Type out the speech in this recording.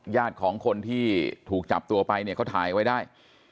ญาติของคนที่ถูกจับตัวไปเนี่ยเขาถ่ายไว้ได้